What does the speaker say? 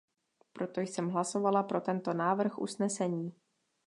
Proto jsem hlasovala pro tento návrh usnesení.